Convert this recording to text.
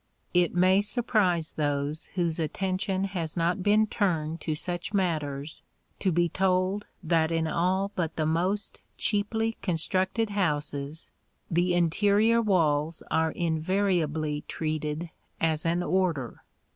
It may surprise those whose attention has not been turned to such matters to be told that in all but the most cheaply constructed houses the interior walls are invariably treated as an order.